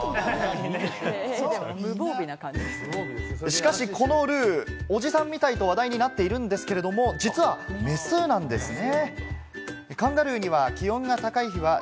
しかしこのルー、おじさんみたいと話題になっているんですけれども、実はメスなんですね。